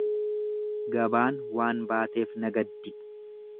Gabaan waan baateef nagaddi.